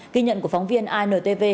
ghi nhận của phóng viên intv